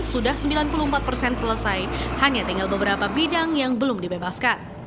yang selesai hanya tinggal beberapa bidang yang belum dibebaskan